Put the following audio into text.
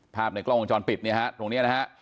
ภาพในกล้องวงจรปิดเนี่ยฮะตรงนี้นะฮะ